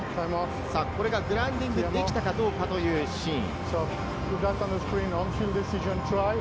これがグラウンディングできたかというシーン。